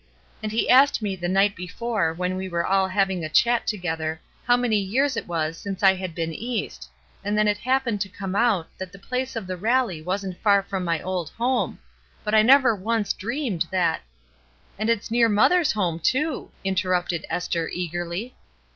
And he asked me the night before when we were all having a chat together how many years it was since I had been East, and then it happened to come out that the place of the rally wasn't far from my old home ; but I never once dreamed that—" "And it's near mother's home, too," inter rupted Esther, eagerly.